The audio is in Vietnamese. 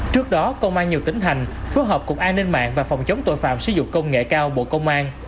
trước đó công an nhiều tỉnh hành phối hợp cục an ninh mạng và phòng chống tội phạm sử dụng công nghệ cao bộ công an